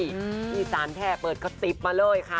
ที่สารแท่เปิดกระติบมาเลยค่ะ